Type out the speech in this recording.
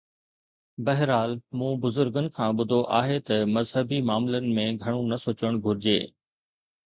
بهرحال مون بزرگن کان ٻڌو آهي ته مذهبي معاملن ۾ گهڻو نه سوچڻ گهرجي